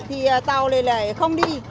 thì tàu này lại